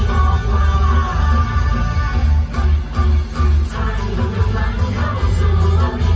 แล้วใครว่าฉันไม่รู้ไม่กินเวลาไห้